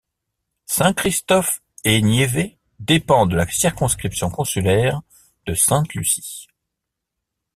Saint-Christophe-et-Niévès dépend de la circonscription consulaire de Sainte-Lucie.